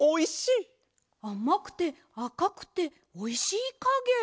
あまくてあかくておいしいかげ。